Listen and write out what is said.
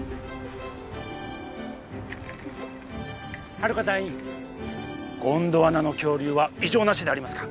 ハルカ隊員ゴンドワナの恐竜は異常なしでありますか？